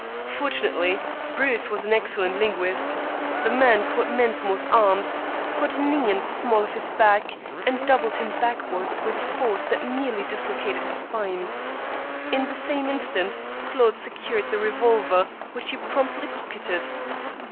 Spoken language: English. Fortunately, Bruce was an excellent linguist. The man caught Mensmore's arms, put a knee in the small of his back, and doubled him backwards with a force that nearly dislocated his spine. In the same instant Claude secured the revolver, which he promptly pocketed.